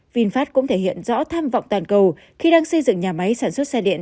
vinfast cũng thể hiện rõ tham vọng toàn cầu khi đang xây dựng nhà máy sản xuất xe điện